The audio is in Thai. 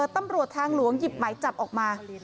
ตำรวจทางหลวงหยิบหมายจับออกมา